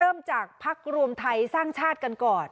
เริ่มจากภักดิ์รวมไทยสร้างชาติกันก่อน